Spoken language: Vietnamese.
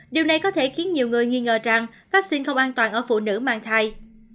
điều này có thể khiến nhiều người nghi ngờ rằng vaccine không an toàn ở phụ nữ mang thai